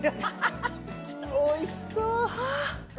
・おいしそう！